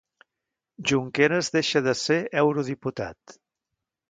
Junqueras deixa de ser eurodiputat